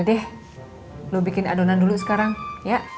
ya udah deh lo bikin adonan dulu sekarang ya